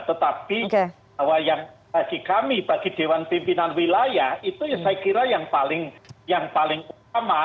tetapi bahwa yang bagi kami bagi dewan pimpinan wilayah itu ya saya kira yang paling utama